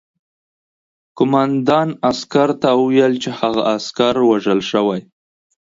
قوماندان عسکر ته وویل چې هغه عسکر وژل شوی